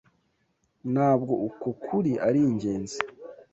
Ntabwo uko kuri ari ingenzi